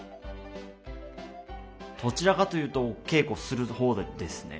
どちらかというと稽古する方ですね。